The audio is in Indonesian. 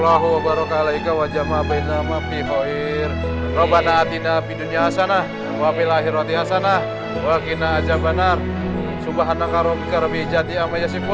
aku janji aku gak akan maksa untuk bukunya antre kamu sama kamu kalau kamu belum siap